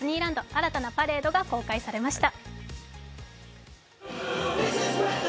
新たなパレードが公開されました。